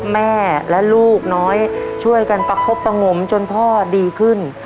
แม่และลูกน้อยช่วยกันประคบตะงมจนพ่อดีขึ้น